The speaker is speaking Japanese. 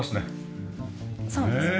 そうですね